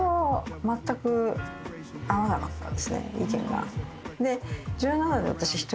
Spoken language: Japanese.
意見が。